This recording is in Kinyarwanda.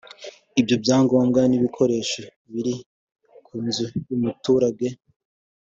Ibyo byangombwa n’ibikoresho biri ku nzu y’umuturage